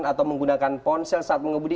atau menggunakan ponsel saat mengemudi